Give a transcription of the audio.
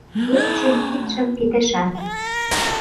Йолжым-кидшым пидешат